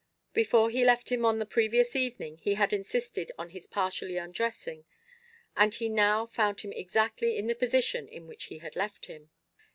Before he left him on the previous evening he had insisted on his partially undressing, and he now found him exactly in the position in which he had left him.